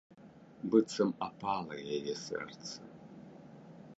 Быццам апала яе сэрца.